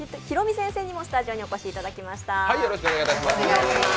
先生にもスタジオにお越しいただきました。